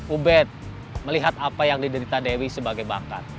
ubed melihat apa yang diderita dewi sebagai bakat